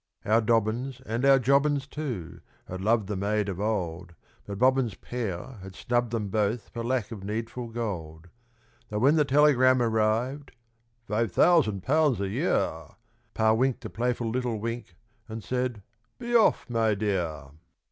Our Dobbins and our Jobbins, too, had loved the maid of old, But Bobbins père had snubbed them both for lack of needful gold; Though when the telegram arrived, "Five thousand pounds a year!" Pa winked a playful little wink and said, "Be off, my dear."